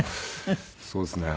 そうですね。